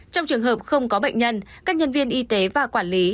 trong trường hợp không có bệnh nhân các nhân viên y tế và quản lý